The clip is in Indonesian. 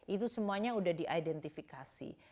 itu semuanya sudah diidentifikasi